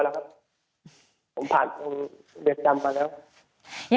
ผมผ่านตรงเดียวจำมาแล้ว